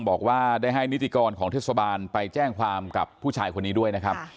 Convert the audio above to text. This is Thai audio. บอกว่าได้ให้นิติกรของเทศบาลไปแจ้งความกับผู้ชายคนนี้ด้วยนะครับ